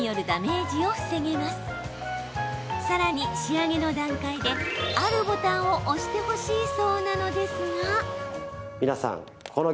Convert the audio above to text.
さらに仕上げの段階であるボタンを押してほしいそうなのですが。